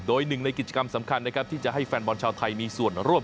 โดยหนึ่งในกิจกรรมสำคัญนะครับที่จะให้แฟนบอลชาวไทยมีส่วนร่วม